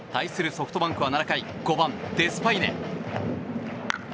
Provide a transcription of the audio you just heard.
ソフトバンクは７回５番、デスパイネ。